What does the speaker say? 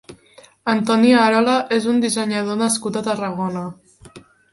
Antoni Arola és un dissenyador nascut a Tarragona.